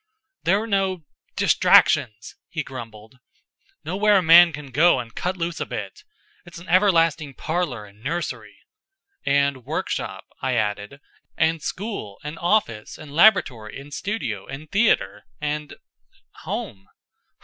"There are no distractions," he grumbled. "Nowhere a man can go and cut loose a bit. It's an everlasting parlor and nursery." "And workshop," I added. "And school, and office, and laboratory, and studio, and theater, and home."